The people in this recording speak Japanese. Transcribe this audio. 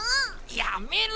やめろ！